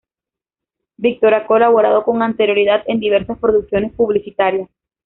Víctor ha colaborado con anterioridad en diversas producciones publicitarias.